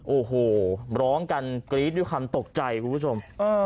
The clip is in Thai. โอ้โหร้องกันกรี๊ดด้วยความตกใจคุณผู้ชม